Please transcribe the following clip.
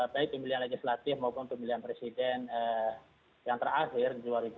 baik pemilihan legislatif maupun pemilihan presiden yang terakhir dua ribu dua puluh